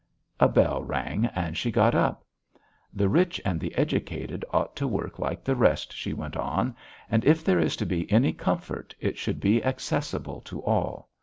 A bell rang and she got up. "The rich and the educated ought to work like the rest," she went on, "and if there is to be any comfort, it should be accessible to all.